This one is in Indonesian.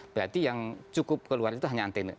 berarti yang cukup keluar itu hanya antek